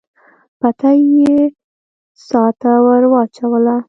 بتۍ يې څا ته ور واچوله.